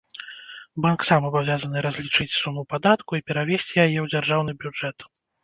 Банк сам абавязаны разлічыць суму падатку і перавесці яе ў дзяржаўны бюджэт.